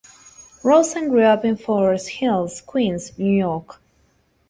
Rosen grew up in Forest Hills, Queens, New York.